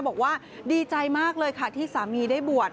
บอกว่าดีใจมากเลยค่ะที่สามีได้บวช